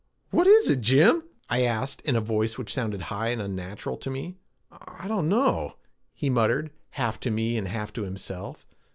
"What is it, Jim?" I asked in a voice which sounded high and unnatural to me. "I don't know," he muttered, half to me and half to himself.